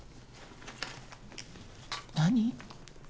何？